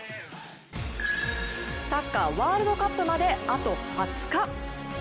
サッカーワールドカップまであと２０日。